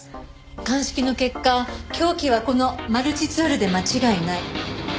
鑑識の結果凶器はこのマルチツールで間違いない。